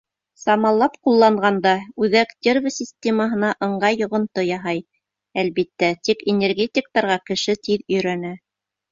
Самалап ҡулланғанда, үҙәк нервы системаһына ыңғай йоғонто яһай, әлбиттә, тик энергетиктарға кеше тиҙ өйрәнә.